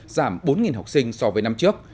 giảm bốn học sinh so với năm trước